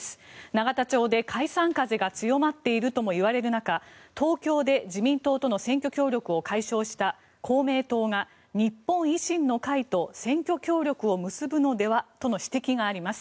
永田町で解散風が強まっているともいわれる中東京で自民党との選挙協力を解消した公明党が日本維新の会と選挙協力を結ぶのではとの指摘があります。